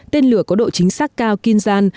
tên lửa có độ chính xác cao kinzhan